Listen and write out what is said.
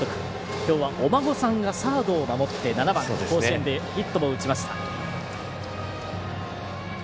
きょうはお孫さんがサードを守って７番、甲子園でヒットも打ちました。